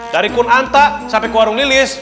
dari kunanta sampai ke warung lilis